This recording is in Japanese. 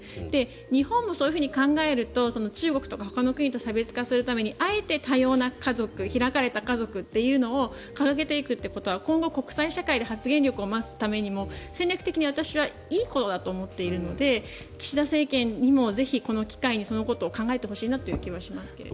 日本もそういうふうに考えると中国とかほかの国と差別化するためにあえて多様化した家族開かれた家族というのを掲げていくということは今後、国際社会で発言力を増すためにも戦略的にもいいことだと思っているので岸田政権にもぜひこの機会にそのことを考えてほしいなという気はしますけどね。